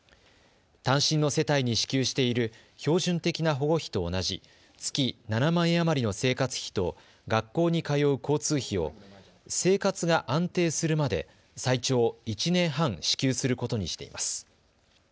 単身の世帯に支給している標準的な保護費と同じ月７万円余りの生活費と学校に通う交通費を生活が安定するまで最長１年半支給することにしています。